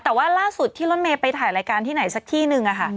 แต่ว่าล่าสุดที่รถเมย์ไปถ่ายรายการที่ไหนสักที่หนึ่ง